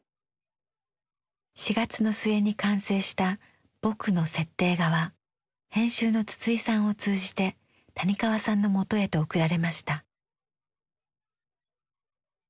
４月の末に完成した「ぼく」の設定画は編集の筒井さんを通じて谷川さんのもとへと送られました。